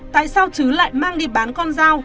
tại sao trứ lại mang đi bán con dao